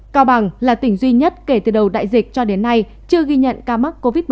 cao bằng là tỉnh duy nhất kể từ đầu đại dịch cho đến nay chưa ghi nhận ca mắc covid một mươi chín